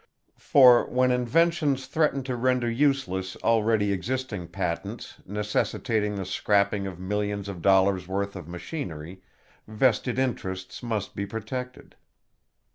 For, when inventions threaten to render useless already existing patents, necessitating the scrapping of millions of dollars' worth of machinery, vested interests must be protected.